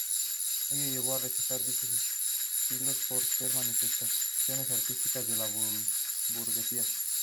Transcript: Ello llevó a rechazar dichos estilos por ser manifestaciones artísticas de la burguesía.